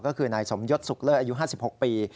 ก็คือนายสมยศสุขเลิศอายุ๕๖ปี